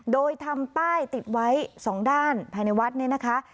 โดยทำป้ายติดไว้สองด้านภายในวัดเนี่ยนะคะ